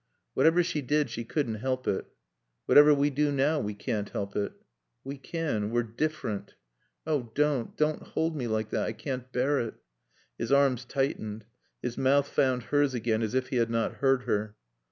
"Whatever she did she couldn't help it." "Whatever we do now we can't help it." "We can. We're different. Oh don't! Don't hold me like that. I can't bear it." His arms tightened. His mouth found hers again as if he had not heard her.